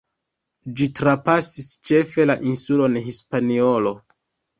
Ĝi trapasis ĉefe la insulon Hispaniolo.